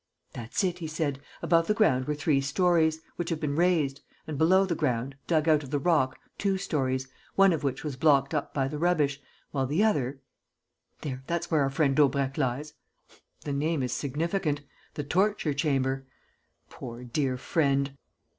"That's it," he said. "Above the ground were three stories, which have been razed, and below the ground, dug out of the rock, two stories, one of which was blocked up by the rubbish, while the other.... There, that's where our friend Daubrecq lies. The name is significant: the torture chamber.... Poor, dear friend!...